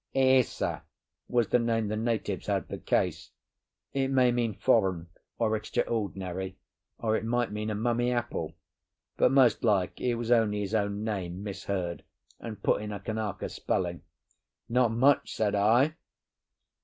(Ese was the name the natives had for Case; it may mean foreign, or extraordinary; or it might mean a mummy apple; but most like it was only his own name misheard and put in a Kanaka spelling.) "Not much," said I.